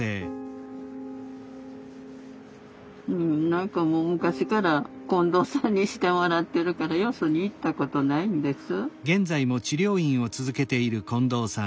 何かもう昔から近藤さんにしてもらってるからよそに行ったことないんです。